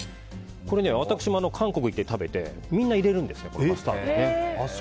私も韓国に行って食べてみんな入れるんですよマスタード。